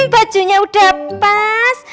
bajunya udah pas